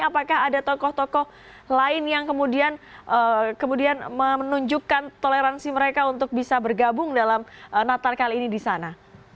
apakah ada tokoh tokoh lain yang kemudian menunjukkan toleransi mereka untuk bisa bergabung dalam natal kali ini di sana